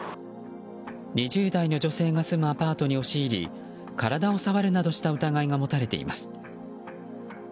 ２０代の女性が住むアパートに押し入り体を触るなどした疑いが持たれています。